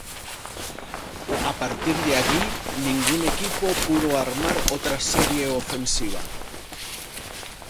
A partir de allí ningún equipo pudo armar otra serie ofensiva.